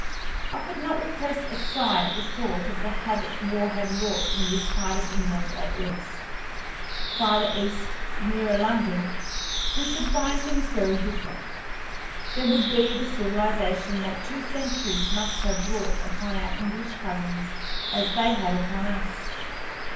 I could not repress a sigh at the thought of the havoc war had wrought in this part of England, at least. Farther east, nearer London, we should find things very different. There would be the civilization that two centuries must have wrought upon our English cousins as they had upon us.